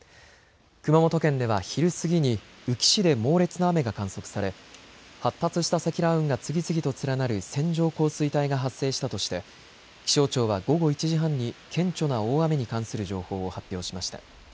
熊本県では昼過ぎに宇城市で猛烈な雨が観測され発達した積乱雲が次々と連なる線状降水帯が発生したとして気象庁は午後１時半に顕著な大雨に関する情報を発表しました。